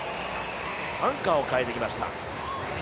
アンカーを代えてきました。